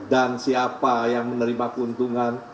dan siapa yang menerima keuntungan